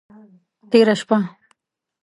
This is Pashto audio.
تیره شپه…